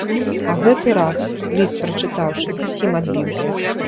А гэты раз, ліст прачытаўшы, зусім адбіўся.